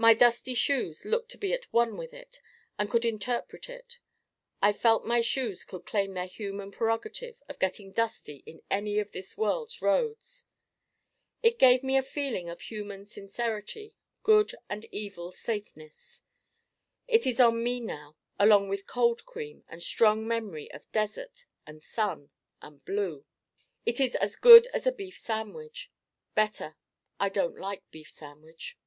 My dusty shoes looked to be at one with it and could interpret it. I felt my shoes could claim their human prerogative of getting dusty in any of this world's roads. It gave me a feeling of human Sincerity: good and evil Safeness. It is on me now, along with cold cream and strong memory of Desert and Sun and Blue. It is as good as a beef sandwich. Better: I don't like beef sandwich.